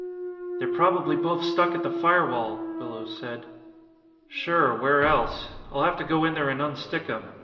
"They're probably both stuck at the firewall," Willows said. "Sure. Where else? I'll have to go in there and unstick 'em.